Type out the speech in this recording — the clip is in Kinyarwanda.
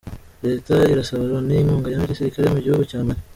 Leta irasaba Loni inkunga ya gisirikare Mugihugu Cya Mali